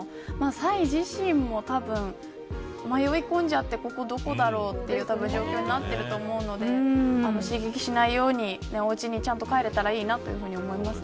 サイ自身も、たぶん迷い込んじゃって、ここどこだろうっていう状況になってると思うので刺激しないようにおうちに帰れたらいいなと思います。